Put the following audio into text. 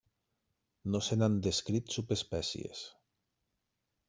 No se n'han descrit subespècies.